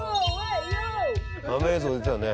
カメ映像出たね。